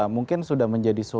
mungkin sudah menjadi